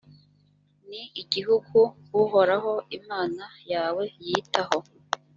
ni igihugu uhoraho imana yawe yitaho,